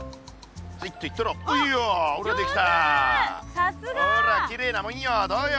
さすが！ほらきれいなもんよどうよ。